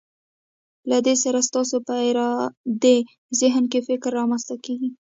له دې سره ستاسو په ارادي ذهن کې فکر رامنځته کیږي.